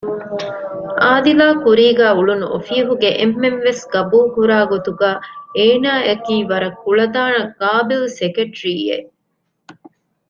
އާދިލާ ކުރީގައި އުޅުނު އޮފީހުގެ އެންމެންވެސް ގަބޫލު ކުރާގޮތުގައި އޭނާއަކީ ވަރަށް ކުޅަދާނަ ޤާބިލް ސެކެޓްރީއެއް